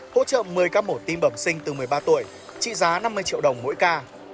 hỗ trợ một mươi các mổ tim bẩm sinh từ một mươi ba tuổi trị giá năm mươi triệu đồng mỗi ca